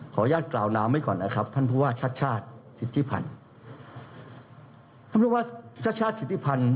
ขออนุญาตกล่าวน้ำไว้ก่อนนะครับท่านพูดว่าชาติชาติสิทธิพันธ์